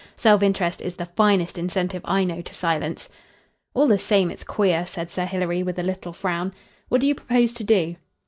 Self interest is the finest incentive I know to silence." "All the same, it's queer," said Sir Hilary, with a little frown. "What do you propose to do?"